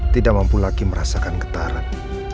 tidak mampu lagi merasakan getaran